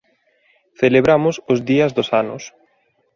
Celebramos os días dos anos.